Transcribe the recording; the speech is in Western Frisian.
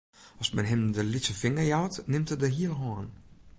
As men him de lytse finger jout, nimt er de hiele hân.